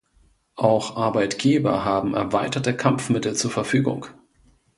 Auch Arbeitgeber haben erweiterte Kampfmittel zur Verfügung.